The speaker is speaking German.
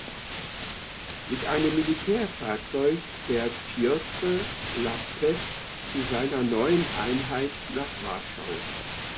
Mit einem Militärzug fährt Pjotr Laptew zu seiner neuen Einheit nach Warschau.